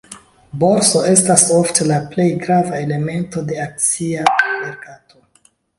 Borso estas ofte la plej grava elemento de akcia merkato.